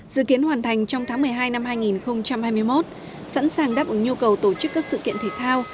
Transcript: dự kiến hoàn thành trong tháng một mươi hai năm hai nghìn hai mươi một sẵn sàng đáp ứng nhu cầu tổ chức các sự kiện thể thao